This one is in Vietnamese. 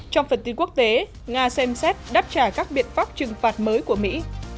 trong phần tin quốc tế nga xem xét đáp trả các biện pháp trừng phạt mới của mỹ